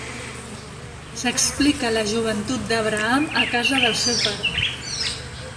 S'explica la joventut d'Abraham a casa del seu pare.